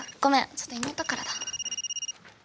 ちょっと妹からだ。